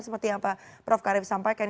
seperti apa prof karif sampaikan